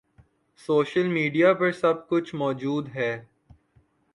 social media پر سب کچھ موجود ہے